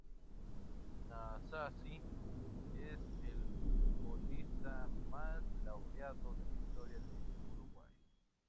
Nasazzi es el futbolista más laureado de la historia de Uruguay.